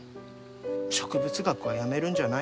植物学はやめるんじゃない？